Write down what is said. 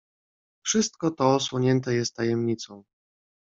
"Wszystko to osłonięte jest tajemnicą."